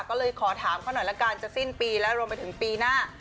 ก็เลยขอถามเขาหน่อยละกันจะสิ้นปีแล้วรวมไปถึงปีหน้า